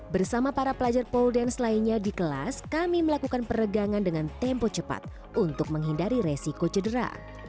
bersama para pelajar pole dance lainnya di kelas kami melakukan peregangan dengan tempo cepat untuk menghindari resiko cedera